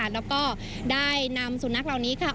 แล้วก็ได้นำสุนัขเหล่านี้ค่ะ